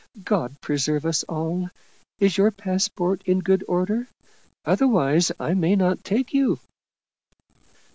God preserve us all! Is your passport in good order? Otherwise I may not take you."